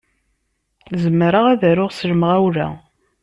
Zemreɣ ad aruɣ s lemɣawla.